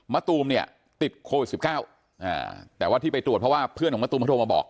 ตูมเนี่ยติดโควิด๑๙แต่ว่าที่ไปตรวจเพราะว่าเพื่อนของมะตูมเขาโทรมาบอก